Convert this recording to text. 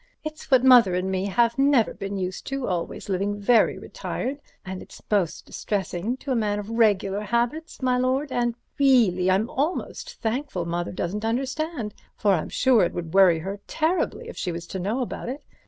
It's what Mother and me have never been used to, always living very retired, and it's most distressing to a man of regular habits, my lord, and reely, I'm almost thankful Mother doesn't understand, for I'm sure it would worry her terribly if she was to know about it.